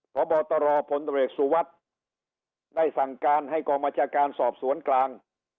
พบตรพลตรวจสุวัสดิ์ได้สั่งการให้กองบัญชาการสอบสวนกลาง